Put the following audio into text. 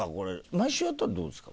毎週やったらどうですか？